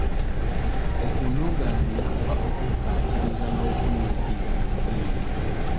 Okunogaanya oba okukkaatiriza n'okunnyikiza mu ddiini.